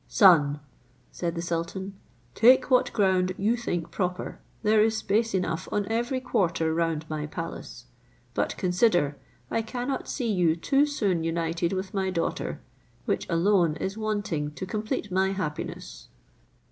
"Son," said the sultan, "take what ground you think proper, there is space enough on every quarter round my palace; but consider, I cannot see you too soon united with my daughter, which alone is wanting to complete my happiness."